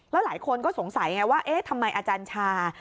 แล้วหลายคนก็สงสัยไงว่าเอ๊ะทำไมอาจารย์ชา